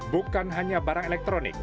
bukan hanya barang elektronik